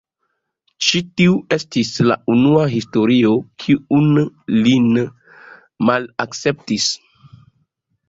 Ĉi tiu estis la unua historio kiu lin malakceptis.